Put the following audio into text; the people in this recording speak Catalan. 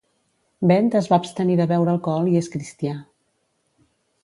Bent es va abstenir de beure alcohol i és cristià.